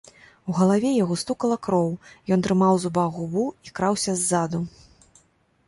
У галаве яго стукала кроў, ён трымаў у зубах губу і краўся ззаду.